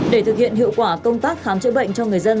để thực hiện hiệu quả công tác khám chữa bệnh cho người dân